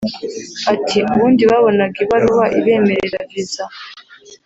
Ati “Ubundi babonaga ibaruwa ibemerera visa